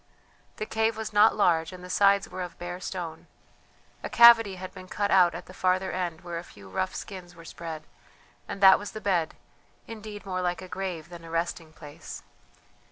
The cave was not large, and the sides were of bare stone. A cavity had been cut out at the farther end where a few rough skins were spread, and that was the bed, indeed more like a grave than a resting place.